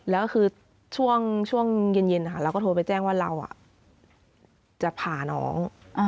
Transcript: แล้วคือช่วงเย็นเราก็โทรไปแจ้งว่าเราจะพาน้อง